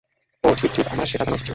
ওহ, ঠিক, ঠিক, আমার সেটা জানা উচিত ছিল।